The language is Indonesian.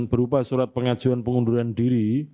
berupa surat pengajuan pengunduran diri